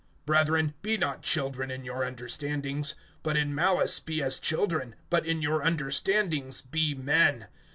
(20)Brethren, be not children in your understandings; but in malice be as children, but in your understandings be men.